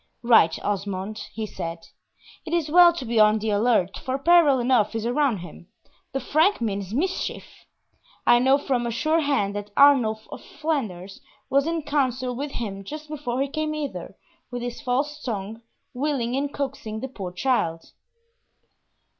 "Right, Osmond," he said. "It is well to be on the alert, for peril enough is around him The Frank means mischief! I know from a sure hand that Arnulf of Flanders was in council with him just before he came hither, with his false tongue, wiling and coaxing the poor child!"